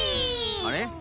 あれ？